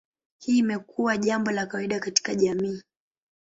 Hii imekuwa jambo la kawaida katika jamii.